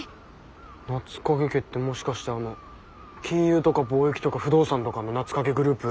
夏影家ってもしかしてあの金融とか貿易とか不動産とかの夏影グループ？